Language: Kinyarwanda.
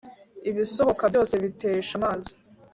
ibisohoka byose bitesha amazi